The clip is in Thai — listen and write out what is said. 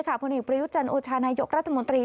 พลังหิตประยุจันทร์โอชานายกรัฐมนตรี